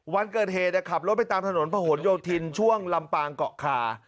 วันเกิดเหตุขับรถไปตามถนนผนโยธินช่วงลำปางเกาะคา